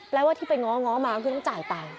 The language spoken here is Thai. แปลว่าที่ไปง้อง้อมาก็ต้องจ่ายตาย